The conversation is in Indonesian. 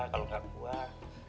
kalau tidak puasa